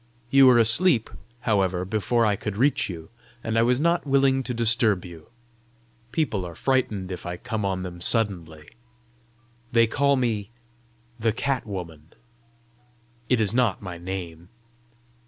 You were asleep, however, before I could reach you, and I was not willing to disturb you. People are frightened if I come on them suddenly. They call me the Cat woman. It is not my name."